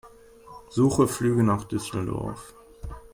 Suche Flüge nach Düsseldorf.